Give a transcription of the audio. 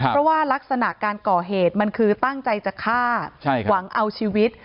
เพราะว่ารักษณะการก่อเหตุมันคือตั้งใจจะฆ่าหวังเอาชีวิต